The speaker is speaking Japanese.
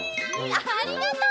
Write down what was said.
ありがとう。